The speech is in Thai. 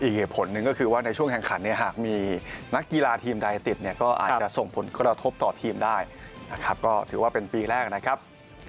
อีกเหตุผลหนึ่งก็คือว่าในช่วงแข่งขันเนี่ยหากมีนักกีฬาทีมใดติดเนี่ยก็อาจจะส่งผลกระทบต่อทีมได้นะครับก็ถือว่าเป็นปีแรกนะครับ